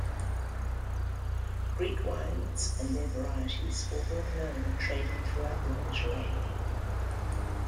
Greek wines and their varieties were well known and traded throughout the Mediterranean.